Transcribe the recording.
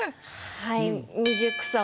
はい。